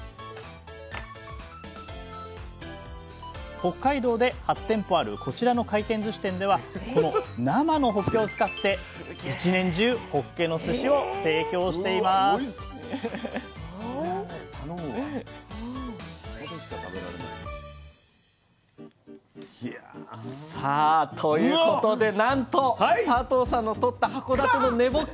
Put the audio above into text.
北海道で８店舗あるこちらの回転ずし店ではこの生のほっけを使って１年中ほっけのすしを提供していますさあということでなんと佐藤さんのとった函館の根ぼっけ。